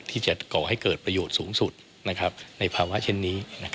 ที่จะก่อให้เกิดประโยชน์สูงสุดในภาวะเช่นนี้